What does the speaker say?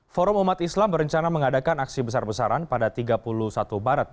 forum umat islam berencana mengadakan aksi besar besaran pada tiga puluh satu maret